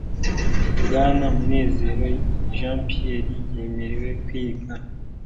bwana munezero jean pierre yemerewe kwiga